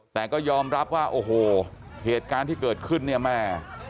แต่ก็ยอมรับว่าโอ้โหเหตุการณ์ที่เกิดขึ้นเนี่ยแม่